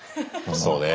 そうね。